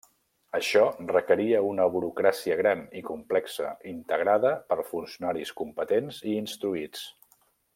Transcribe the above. Això requeria una burocràcia gran i complexa integrada per funcionaris competents i instruïts.